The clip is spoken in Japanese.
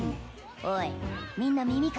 おいみんな耳貸せ。